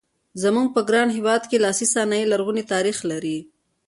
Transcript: زموږ په ګران هېواد کې لاسي صنایع لرغونی تاریخ لري.